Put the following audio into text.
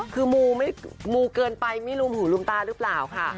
คือมูลเกินไปไม่รู้หูลุมตาหรือเปล่าค่ะ